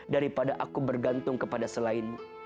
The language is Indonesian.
daripada aku bergantung kepada selainmu